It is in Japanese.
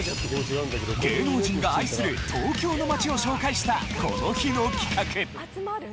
芸能人が愛する東京の街を紹介したこの日の企画。